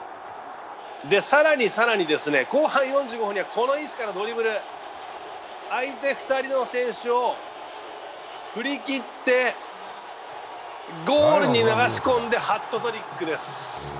更に更に、後半４５分には、この位置からドリブル、相手２人の選手を振り切ってゴールに流し込んでハットトリックです。